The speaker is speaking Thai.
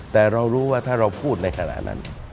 แต่เรารู้ว่าถ้าเราพูดในขณะนั้น